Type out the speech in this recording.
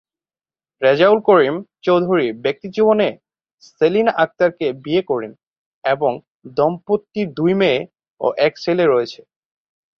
রেজাউল করিম চৌধুরী ব্যক্তিজীবনে সেলিনা আক্তার কে বিয়ে করেন এবং দম্পতির দুই মেয়ে ও এক ছেলে রয়েছে।